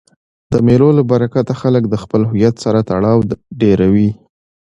د مېلو له برکته خلک د خپل هویت سره تړاو ډېروي.